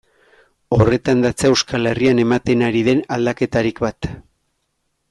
Horretan datza Euskal Herrian ematen ari den aldaketarik bat.